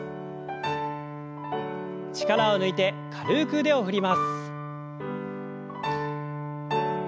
力を抜いて軽く腕を振ります。